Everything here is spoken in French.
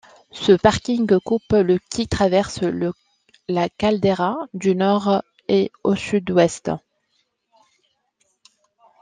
Ce parking coupe le ' qui traverse la caldeira du nord-est au sud-ouest.